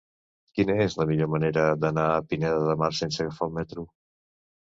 Quina és la millor manera d'anar a Pineda de Mar sense agafar el metro?